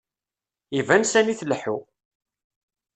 Iban sani tleḥḥu.